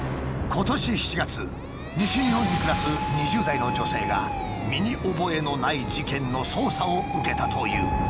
今年７月西日本に暮らす２０代の女性が身に覚えのない事件の捜査を受けたという。